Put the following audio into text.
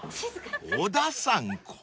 ［小田さん声！